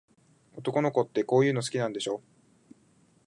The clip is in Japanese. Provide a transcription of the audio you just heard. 男の子って、こういうの好きなんでしょ。